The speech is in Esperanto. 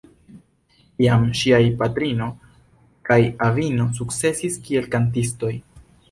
Jam ŝiaj patrino kaj avino sukcesis kiel kantistoj.